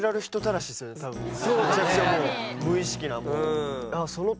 むちゃくちゃ無意識な。